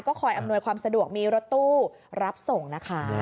คอยอำนวยความสะดวกมีรถตู้รับส่งนะคะ